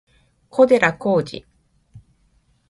小寺浩二